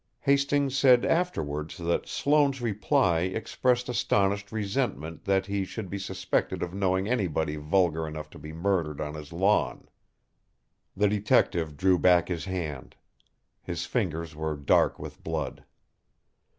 Hastings said afterwards that Sloane's reply expressed astonished resentment that he should be suspected of knowing anybody vulgar enough to be murdered on his lawn. The detective drew back his hand. His fingers were dark with blood.